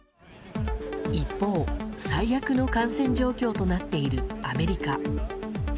一方、最悪の感染状況となっているアメリカ。